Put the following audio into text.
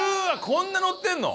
こんなのってるの？